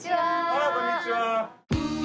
ああこんにちは。